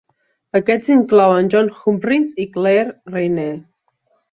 Aquests inclouen John Humphrys i Claire Rayner.